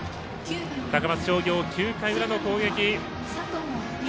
高松商業、９回裏の攻撃。